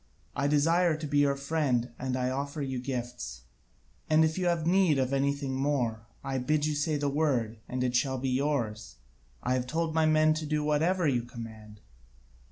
I desire to be your friend and I offer you gifts; and if you have need of anything more, I bid you say the word, and it shall be yours. I have told my men to do whatever you command."